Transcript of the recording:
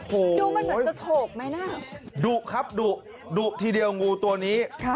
โอ้โหดูมันเหมือนจะโฉกไหมน่ะดุครับดุดุทีเดียวงูตัวนี้